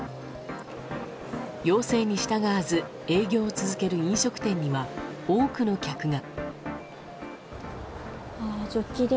要請に従わず営業を続ける飲食店には多くの客が。